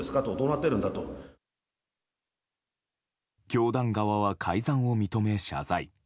教団側は改ざんを認め、謝罪。